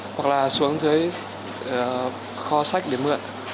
hoặc là xuống dưới kho sách để mượn